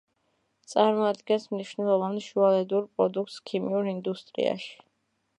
წარმოადგენს მნიშვნელოვან შუალედურ პროდუქტს ქიმიურ ინდუსტრიაში.